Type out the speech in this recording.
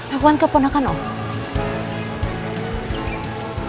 aku gak pernah kan om